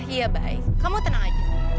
iya baik kamu tenang aja